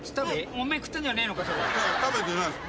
お前食ったんじゃねえのか？